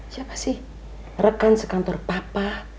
siapa sih rekan sekantor papa